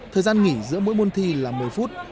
thời gian nghỉ giữa mỗi môn thi là một mươi phút